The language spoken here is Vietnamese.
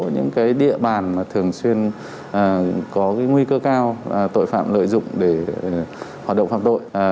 những địa bàn thường xuyên có nguy cơ cao tội phạm lợi dụng để hoạt động phạm tội